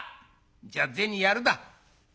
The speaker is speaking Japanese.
じゃあ銭やるだ。